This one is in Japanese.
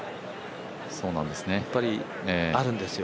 やっぱり、あるんですよ